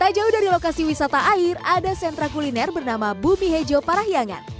tak jauh dari lokasi wisata air ada sentra kuliner bernama bumi hejo parahyangan